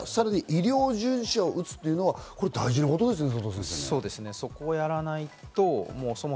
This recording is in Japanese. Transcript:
医療従事者を打つっていうのは大事なことですね。